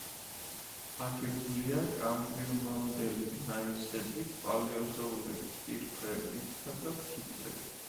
აგებულია კამბრიუმამდელი გნაისებით, პალეოზოური კირქვებითა და ფიქლებით.